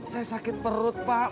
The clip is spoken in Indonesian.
saya sakit perut pak